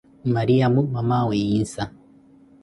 Mariyamo, mamaawe Yinsa